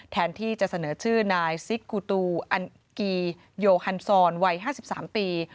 แทนที่จะเสนอชื่อนายซิกกูตูอันกีโยฮันซอนวัย๕๓ปี